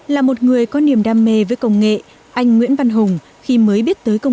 là một người có niềm đam mê với công nghệ anh nguyễn văn hùng khi mới biết tới công